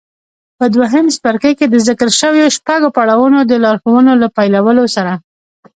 په دويم څپرکي کې د ذکر شويو شپږو پړاوونو د لارښوونو له پيلولو سره.